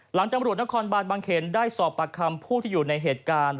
ตำรวจนครบานบางเขนได้สอบปากคำผู้ที่อยู่ในเหตุการณ์